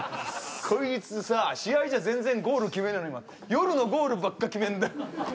こいつさ試合じゃ全然ゴール決めねえのに夜のゴールばっか決めんだよ